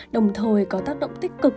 đồng thời có tác động tích cực